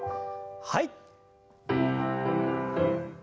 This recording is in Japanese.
はい。